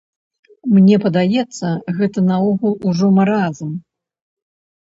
Мне падаецца, гэта наогул ужо маразм.